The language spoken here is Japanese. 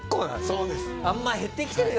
そうですね。